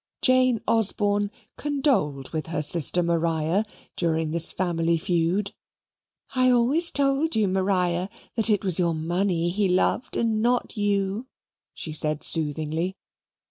Jane Osborne condoled with her sister Maria during this family feud. "I always told you, Maria, that it was your money he loved and not you," she said, soothingly.